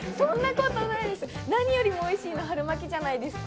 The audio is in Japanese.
何よりもおいしいの春巻きじゃないですか。